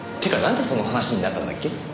んでその話になったんだっけ？